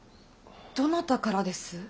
どなたからです？